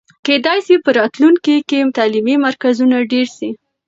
کېدای سي په راتلونکي کې تعلیمي مرکزونه ډېر سي.